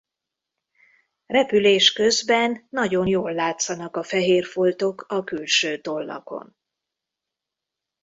Repülés közben nagyon jól látszanak a fehér foltok a külső tollakon.